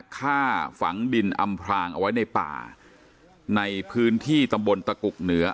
ฆ่าฝังดินอำพรางเอาไว้ในป่าในพื้นที่ตำบลตะกุกเหนือ